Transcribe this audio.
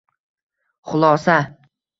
Xulosa